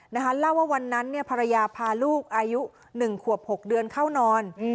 เล่าว่าวันนั้นภรรยาพาลูกอายุ๑ขวบ๖เดือนเข้านอน